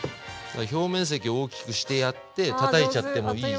表面積大きくしてやってたたいちゃってもいいし。